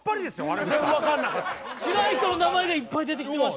知らん人の名前がいっぱい出てきてました。